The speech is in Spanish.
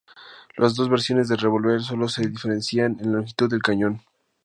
Las dos versiones del revólver sólo se diferenciaban en la longitud del cañón.